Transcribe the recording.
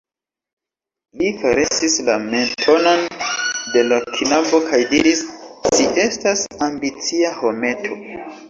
Li karesis la mentonon de l' knabo kaj diris: "Ci estas ambicia, hometo!"